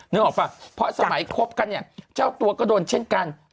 นึกออกป่ะเพราะสมัยคบกันเนี่ยเจ้าตัวก็โดนเช่นกัน